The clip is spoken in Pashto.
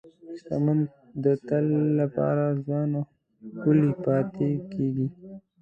شتمن د تل لپاره ځوان او ښکلي پاتې کېږي.